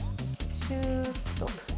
シューッと。